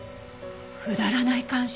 くだらない感傷？